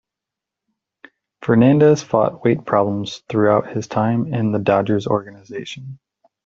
Fernandez fought weight problems throughout his time in the Dodgers organization.